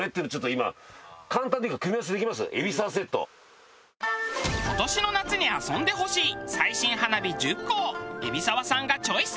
今年の夏に遊んでほしい最新花火１０個を海老澤さんがチョイス。